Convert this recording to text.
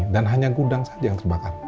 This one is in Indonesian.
dan hanya gudang saja yang terbakar